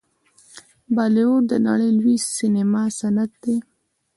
بالیووډ د نړۍ لوی سینما صنعت دی.